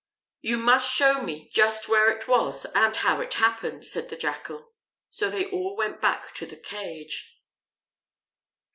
"You must show me just where it was and how it happened," said the Jackal. So they all went back to the cage.